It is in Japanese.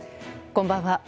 こんばんは。